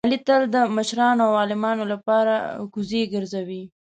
علي تل د مشرانو او عالمانو لپاره کوزې ګرځوي.